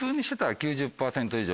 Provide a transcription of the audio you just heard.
９０％以上。